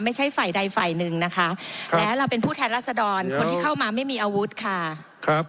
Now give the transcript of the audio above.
ไม่ใช่ฝ่ายใดฝ่ายนึงนะคะเราเป็นผู้แทนลาสระดอนคนที่เข้ามาไม่มีอาวุธค่ะ